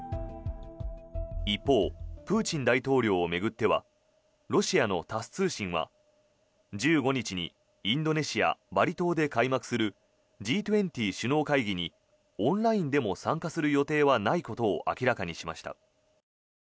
一方、プーチン大統領を巡ってはロシアのタス通信は１５日にインドネシア・バリ島で開幕するＧ２０首脳会議にオンラインでも参加する予定はないことを明らかにしました。